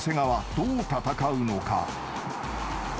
［どう戦うのか］